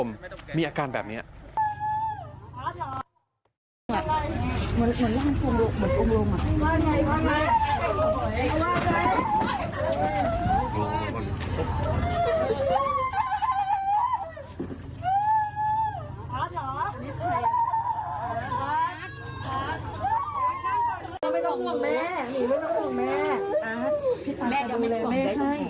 มีสาวชาวเมียนมาคนหนึ่งคุณผู้ชมมีอาการแบบนี้